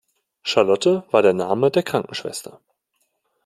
Charlotte war der Name der Krankenschwester.